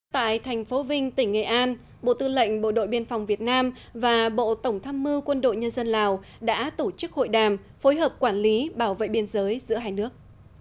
tại thành phố vinh tỉnh nghệ an bộ tư lệnh bộ đội biên phòng việt nam và bộ tổng tham mưu quân đội nhân dân lào đã tổ chức hội đàm phối hợp quản lý bảo vệ biên giới giữa hai nước